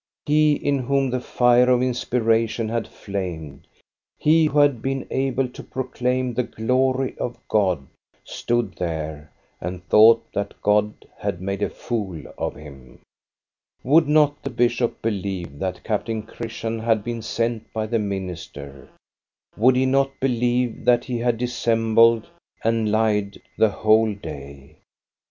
He in whom the fire of inspiration had flamed, he who had been able to proclaim the glory of God, stood there and thought that God had made a fool of him. Would not the bishop believe that Captain Chris tian had been sent by the minister? Would he not believe that he had dissembled and lied the whole day?